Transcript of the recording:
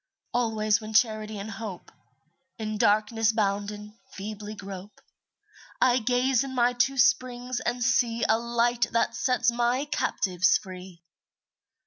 Always when Charity and Hope, In darkness bounden, feebly grope, I gaze in my two springs and see A Light that sets my captives free.